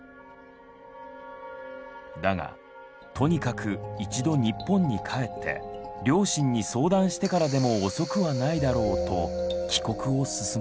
だが「とにかく一度日本に帰って両親に相談してからでも遅くはないだろう」と帰国を勧められる。